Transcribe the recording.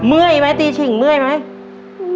เมื่อยไหมตีฉิ่งเมื่อยไหม